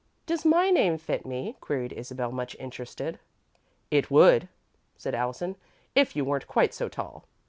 '" "Does my name fit me?" queried Isabel, much interested. "It would," said Allison, "if you weren't quite so tall.